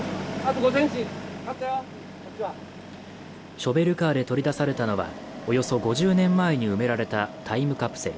ショベルカーで取り出されたのは、およそ５０年前に埋められたタイムカプセル。